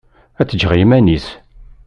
Ad t-ǧǧeɣ i yiman-is.